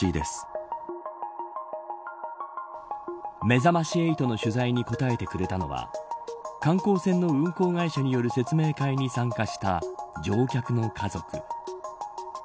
めざまし８の取材に答えてくれたのは観光船の運航会社による説明会に参加した乗客の家族。